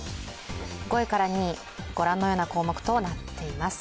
５位から２位、ご覧のような項目になっています。